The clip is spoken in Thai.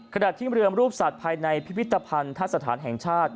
ขดัดที่มรึอมรูปศาสตร์ภายในพิพิธภัณฑ์ทัดสถานแห่งชาติ